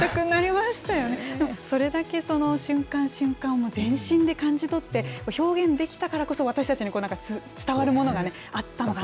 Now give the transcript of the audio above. でもそれだけその瞬間、瞬間を全身で感じ取って、表現できたからこそ、私たちに伝わるものがあったんだなと。